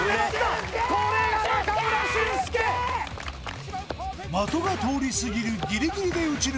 これが中村俊輔的が通り過ぎるギリギリで打ち抜く